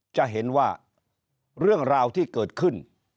จะเห็นว่าเรื่องราวที่เกิดขึ้น